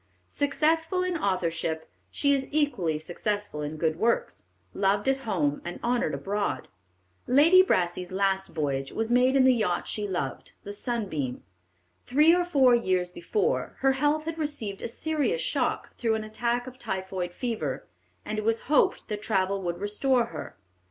Successful in authorship, she is equally successful in good works; loved at home and honored abroad. Lady Brassey's last voyage was made in the yacht she loved: the Sunbeam. Three or four years before, her health had received a serious shock through an attack of typhoid fever, and it was hoped that travel would restore her.